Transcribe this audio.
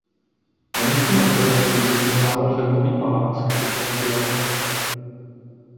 Na místě mrakodrapu dříve stával filmový palác Capitol Theatre.